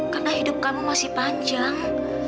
karena hidup kamu masih panjang